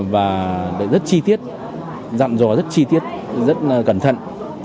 và rất chi tiết dặn dò rất chi tiết rất cẩn thận